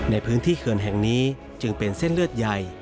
ในพื้นที่เขื่อนแห่งนี้จึงเป็นเส้นเลือดใหญ่